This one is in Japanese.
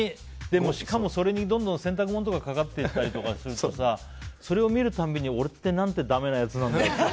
しかも、それにどんどん洗濯物とかがかかっていくとさそれを見る度に俺って何てだめなやつなんだろうって。